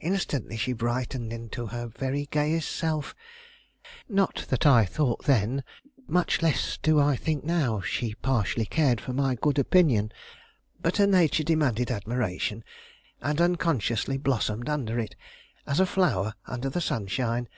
Instantly she brightened into her very gayest self. Not that I thought then, much less do I think now, she partially cared for my good opinion; but her nature demanded admiration, and unconsciously blossomed under it, as a flower under the sunshine.